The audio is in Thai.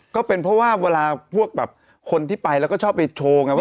ก็เป็นเพราะว่าเวลาพวกแบบคนที่ไปแล้วก็ชอบไปโชว์ไงว่า